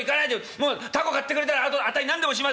もう凧買ってくれたらあとあたい何でもします。